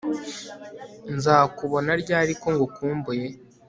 nzakubona ryari ko ngukumbuye